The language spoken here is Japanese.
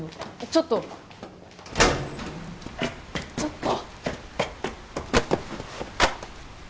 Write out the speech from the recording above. ちょっとちょっと！